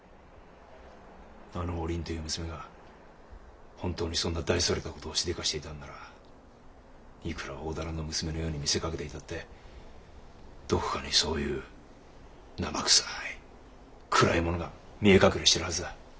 あのお倫という娘が本当にそんな大それた事をしでかしていたのならいくら大店の娘のように見せかけていたってどこかにそういう生ぐさい暗いものが見え隠れしているはずだ。